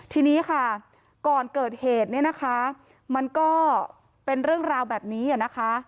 ทีนี้ค่ะก่อนเกิดเหตุเนี่ยนะคะมันก็เป็นเรื่องราวแบบนี้นะคะ